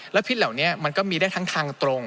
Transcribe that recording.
แล้วพิษเหล่านี้มันก็มีได้ทั้งทางตรง